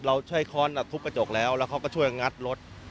เราช่วยคอนแน็ตทุกประจกแล้วเข้าก็ช่วยงัดรถ